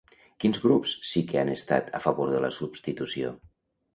Quins grups sí que han estat a favor de la substitució?